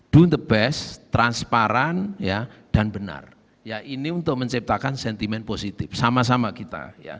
don the best transparan dan benar ya ini untuk menciptakan sentimen positif sama sama kita